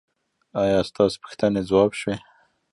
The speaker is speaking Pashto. ایا ستاسو پوښتنې ځواب شوې؟